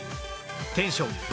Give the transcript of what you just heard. テンション爆